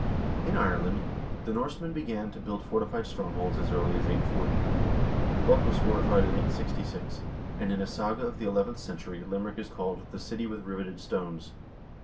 In Ireland the Norsemen began to build fortified strongholds as early as 840. Cork was forti fied in 866, and in a saga of the eleventh century Limerick is called "the city with riveted stones."